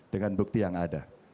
dengan bukti yang ada